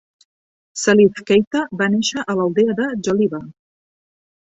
Salif Keita va néixer a l'aldea de Djoliba.